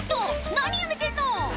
何やめてんの！」